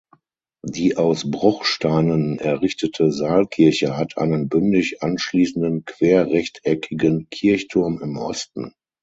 Die aus Bruchsteinen errichtete Saalkirche hat einen bündig anschließenden querrechteckigen Kirchturm im Osten.